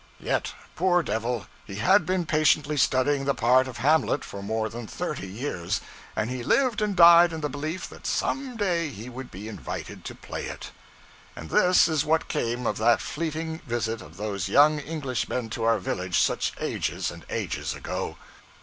Yet, poor devil, he had been patiently studying the part of Hamlet for more than thirty years, and he lived and died in the belief that some day he would be invited to play it! And this is what came of that fleeting visit of those young Englishmen to our village such ages and ages ago!